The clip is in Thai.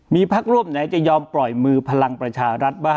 มีพักร่วมไหนจะยอมปล่อยมือพลังประชารัฐบ้าง